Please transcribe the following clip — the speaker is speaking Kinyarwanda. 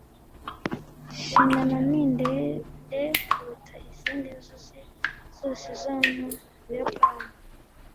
shinano ni ndende kuruta izindi nzuzi zose zo mu buyapani